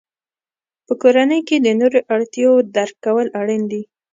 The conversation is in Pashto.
په کورنۍ کې د نورو اړتیاوو درک کول اړین دي.